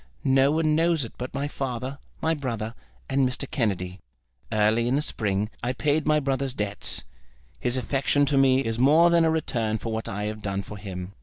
No one knows it but my father, my brother, and Mr. Kennedy. Early in the spring I paid my brother's debts. His affection to me is more than a return for what I have done for him.